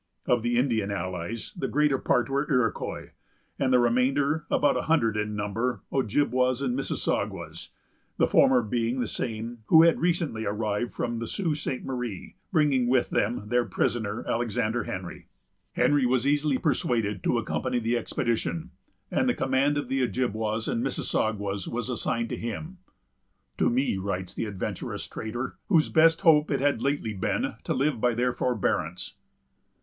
Of the Indian allies, the greater part were Iroquois, and the remainder, about a hundred in number, Ojibwas and Mississaugas; the former being the same who had recently arrived from the Sault Ste. Marie, bringing with them their prisoner, Alexander Henry. Henry was easily persuaded to accompany the expedition; and the command of the Ojibwas and Mississaugas was assigned to him——"To me," writes the adventurous trader, "whose best hope it had lately been to live by their forbearance."